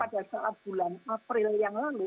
pada saat bulan april yang lalu